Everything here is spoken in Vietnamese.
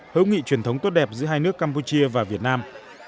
hữu nghị truyền thống tốt đẹp giữa hai nước campuchia và việt nam